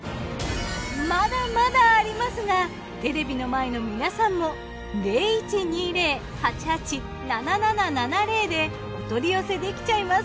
まだまだありますがテレビの前の皆さんもでお取り寄せできちゃいます。